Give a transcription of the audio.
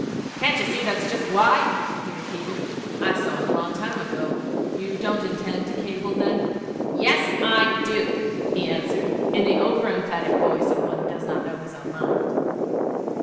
'Can't you see that's just why?' he repeated. 'I saw it a long time ago. You don't intend to cable then?' 'Yes, I do,' he answered, in the over emphatic voice of one who does not know his own mind.